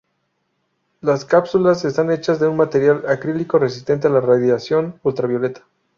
Las cúpulas están hechas de un material acrílico resistente a la radiación ultravioleta.